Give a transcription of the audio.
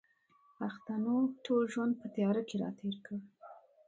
پښتنو ټول ژوند په تیاره کښې را تېر کړ